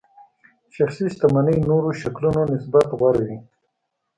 شخصي شتمنۍ نورو شکلونو نسبت غوره وي.